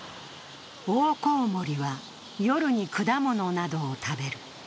オオコウモリは夜に果物などを食べる。